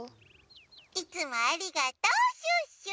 いつもありがとうシュッシュ。